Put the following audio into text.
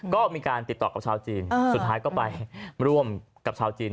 ก็มีการติดต่อกับชาวจีนสุดท้ายก็ไปร่วมกับชาวจีน